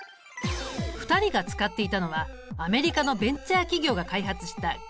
２人が使っていたのはアメリカのベンチャー企業が開発した言語ＡＩ。